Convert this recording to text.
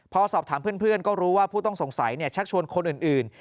พอสอบถามเพื่อนก็รู้ว่าผู้ต้องสงสัยชักชวนคนอื่น